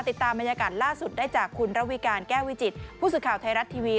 ติดตามบรรยากาศล่าสุดได้จากคุณระวิการแก้ววิจิตผู้สื่อข่าวไทยรัฐทีวี